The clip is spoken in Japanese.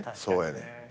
そうやねん。